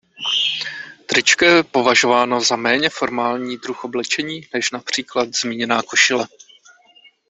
Tričko je považováno za méně formální druh oblečení než například zmíněná košile.